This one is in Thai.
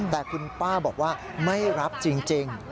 แต่คุณป้าบอกว่าไม่รับจริง